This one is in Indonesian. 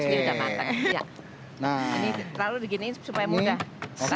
ini yang sudah matang